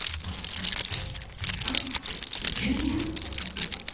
えっ牛乳！？